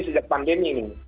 sejak pandemi ini